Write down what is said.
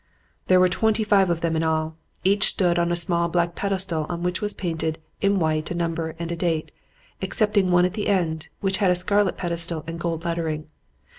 There were twenty five of them in all. Each stood on a small black pedestal on which was painted in white a number and a date; excepting one at the end, which had a scarlet pedestal and gold lettering.